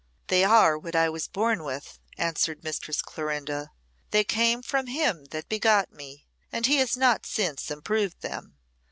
"They are what I was born with," answered Mistress Clorinda. "They came from him that begot me, and he has not since improved them.